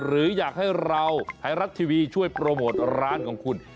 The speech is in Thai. หรืออยากให้เราไทยรัฐทีวีช่วยโปรโมทร้านของคุณ